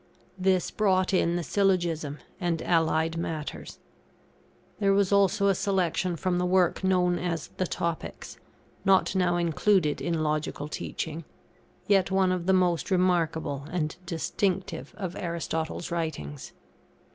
This brought in the Syllogism, and allied matters. There was also a selection from the work known as the Topics, not now included in Logical teaching, yet one of the most remarkable and distinctive of Aristotle's writings.